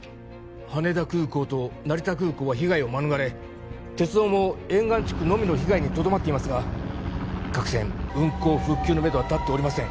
羽田空港と成田空港は被害を免れ鉄道も沿岸地区のみの被害にとどまっていますが各線運行復旧のめどは立っておりません